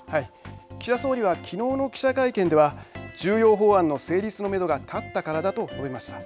岸田総理はきのうの記者会見では重要法案の成立のめどが立ったからだと述べました。